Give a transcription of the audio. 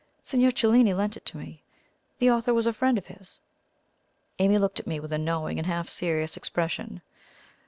Signor Cellini lent it to me; the author was a friend of his." Amy looked at me with a knowing and half serious expression.